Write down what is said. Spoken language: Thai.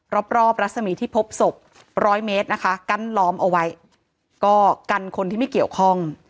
รอบรอบรัศมีที่พบศพร้อยเมตรนะคะกั้นล้อมเอาไว้ก็กันคนที่ไม่เกี่ยวข้อง